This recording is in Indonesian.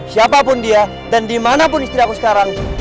siapapun dia dan dimanapun istri aku sekarang